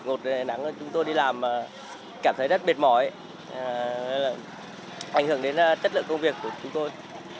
nắng chúng tôi đi làm cảm thấy rất bệt mỏi ảnh hưởng đến chất lượng công việc của chúng tôi